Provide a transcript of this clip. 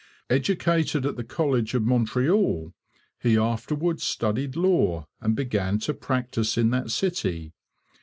Educated at the college of Montreal, he afterwards studied law and began to practise in that city.